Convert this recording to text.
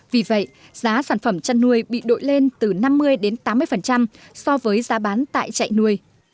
vì vậy giá sản phẩm chăn nuôi bị đội lên từ năm mươi tám mươi so với giá bán tại trại nuôi